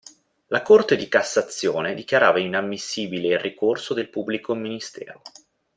La Corte di Cassazione dichiarava inammissibile il ricorso del pubblico ministero.